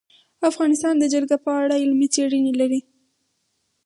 افغانستان د جلګه په اړه علمي څېړنې لري.